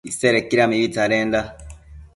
Isedequida mibi tsadenda